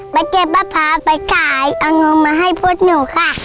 ไปเก็บประพาไปขายเอางงมาให้พวกหนูค่ะ